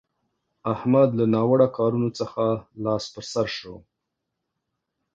احمد له ناوړه کارونه څخه لاس پر سو شو.